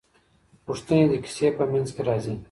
پوښتنې د کیسې په منځ کې راځي.